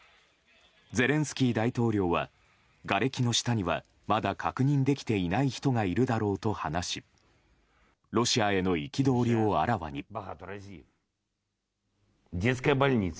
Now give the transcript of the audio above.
ゼレンスキー大統領はがれきの下にはまだ確認できていない人がいるだろうと話しロシアへの憤りをあらわに。